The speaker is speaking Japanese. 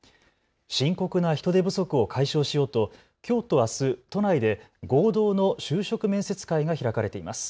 深刻な人手不足を解消しようときょうとあす都内で合同の就職面接会が開かれています。